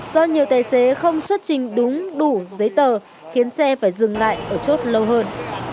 do nhiều tài xế không xuất trình đúng đủ giấy tờ khiến xe phải dừng lại ở chốt lâu hơn